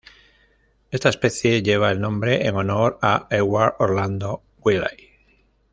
Esta especie lleva el nombre en honor a Edward Orlando Wiley.